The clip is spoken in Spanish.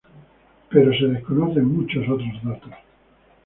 Pero se desconocen muchos otros datos.